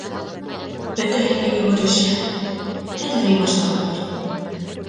Бөтәһе лә йүгерешә, эҙләй башланылар.